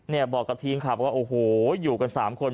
เนี่ยบอกกับทีมครับว่าโอ้โหอยู่กันสามคน